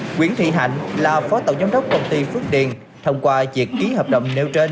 nguyễn thị hạnh là phó tổng giám đốc công ty phước điền thông qua việc ký hợp đồng nêu trên